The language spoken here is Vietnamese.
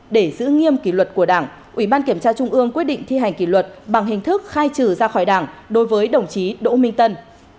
để giữ nghiêm kỷ luật của đảng ủy ban kiểm tra trung ương quyết định thi hành kỷ luật bằng hình thức khai trừ ra khỏi đảng đối với đồng chí đỗ minh tân